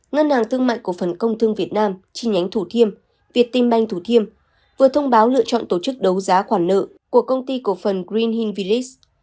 ngân hàng tương mại cổ phần công thương việt nam chi nhánh thủ thiêm việt tim banh thủ thiêm vừa thông báo lựa chọn tổ chức đấu giá khoản nợ của công ty cổ phần green hill village